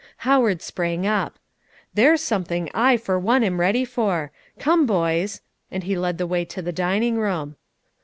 Howard sprang up. "There's something I, for one, am ready for. Come, boys;" and he led the way to the dining room.